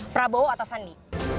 prabowo atau sandi